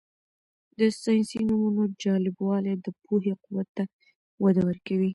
د ساینسي نومونو جالبوالی د پوهې قوت ته وده ورکوي.